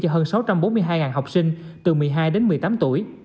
cho hơn sáu trăm bốn mươi hai học sinh từ một mươi hai đến một mươi tám tuổi